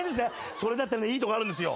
それだったらいいとこあるんですよ。